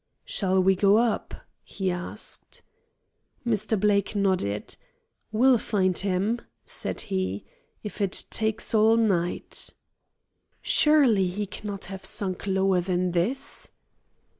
"Shall we go up?" he asked. Mr. Blake nodded. "We'll find him," said he, "if it takes all night." "Surely he cannot have sunk lower than this."